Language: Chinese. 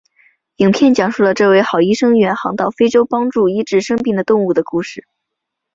影片讲述了这位好医生远航到非洲帮助医治生病的动物的故事。